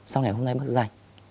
sau ngày hôm nay bác rảnh